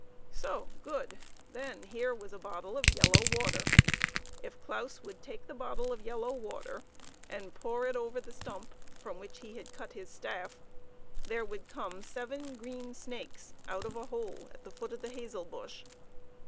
So, good. Then here was_ a bottle of yellow water. If Claus would take the bottle of fellow water, and pour it over the stump from which he had cut his staff, there would come seven green snakes out of a hole at the foot of the hazel bush.